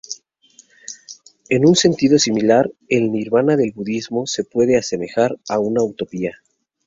En un sentido similar, el nirvana del budismo se puede asemejar a una utopía.